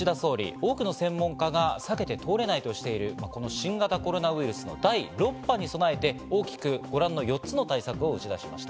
多くの専門家が避けては通れないとしているこの新型コロナウイルスの第６波に備えて大きくご覧の４つの対策を打ち出しました。